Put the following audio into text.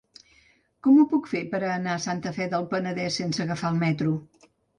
Com ho puc fer per anar a Santa Fe del Penedès sense agafar el metro?